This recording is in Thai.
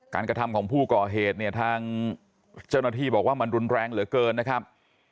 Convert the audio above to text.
กระทำของผู้ก่อเหตุเนี่ยทางเจ้าหน้าที่บอกว่ามันรุนแรงเหลือเกินนะครับ